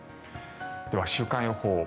では、週間予報。